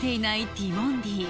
ティモンディ